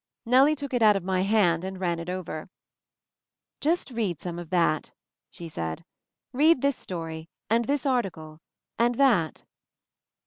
Nellie took it out of my hand and ran it over. "Just read some of that," she said. "Read this story — and this article — and that."